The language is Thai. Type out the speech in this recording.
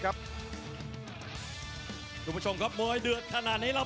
ประโยชน์ทอตอร์จานแสนชัยกับยานิลลาลีนี่ครับ